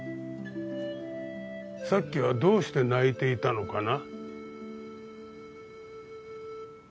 さっきはどうして泣いていたのかな？